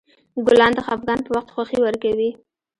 ګلان د خفګان په وخت خوښي ورکوي.